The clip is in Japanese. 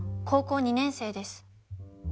高校２年生です。